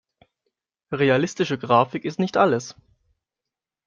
Realistische Grafik ist nicht alles.